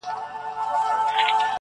o دادی وګوره صاحب د لوی نښان یم ,